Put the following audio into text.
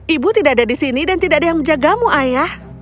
ibu tidak ada di sini dan tidak ada yang menjagamu ayah